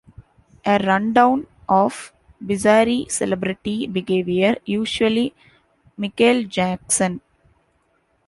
A rundown of bizarre celebrity behaviour, usually Michael Jackson.